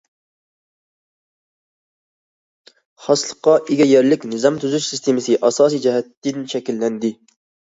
خاسلىققا ئىگە يەرلىك نىزام تۈزۈش سىستېمىسى ئاساسىي جەھەتتىن شەكىللەندى.